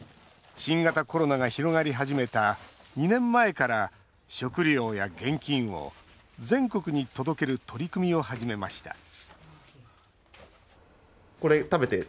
新型コロナが広がり始めた２年前から食料や現金を全国に届ける取り組みを始めました